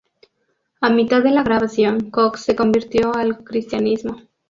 A mitad de la grabación, Cox se convirtió al cristianismo.